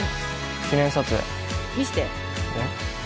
記念撮影見してえっ？